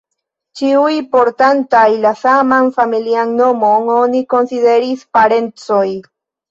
Ĉiuj, portantaj la saman familian nomon, oni konsideris parencoj.